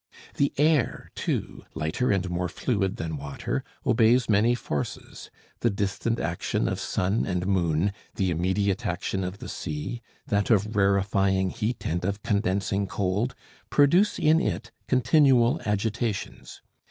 The air, too, lighter and more fluid than water, obeys many forces: the distant action of sun and moon, the immediate action of the sea, that of rarefying heat and of condensing cold, produce in it continual agitations.